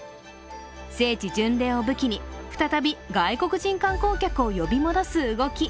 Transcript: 聖地巡礼を武器に再び外国人観光客を呼び戻す動き。